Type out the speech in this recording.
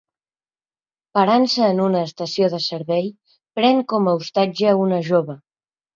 Parant-se en una estació de servei, pren com a ostatge una jove.